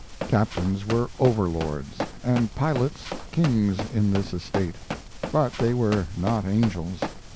Captains were overlords, and pilots kings in this estate; but they were not angels.